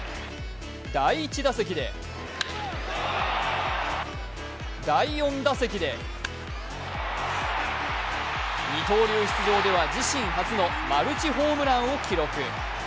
第１打席で第４打席で二刀流出場では自身初のマルチホームランを記録。